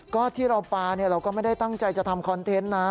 ก็ที่เราปาเราก็ไม่ได้ตั้งใจจะทำคอนเทนต์นะ